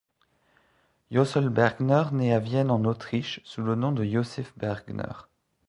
Yosl Bergner naît à Vienne en Autriche le sous le nom de Jossif Bergner.